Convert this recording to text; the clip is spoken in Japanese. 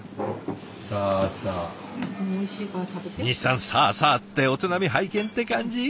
西さん「さあさあ」ってお手並み拝見って感じ？